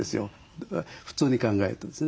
普通に考えるとですね。